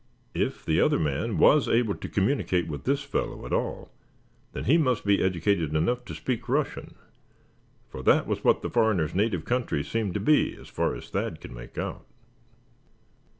If the other man was able to communicate with this fellow at all then he must be educated enough to speak Russian; for that was what the foreigner's native country seemed to be, as far as Thad could make out.